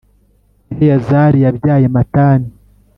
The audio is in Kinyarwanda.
Eleyazari yabyaye Matani,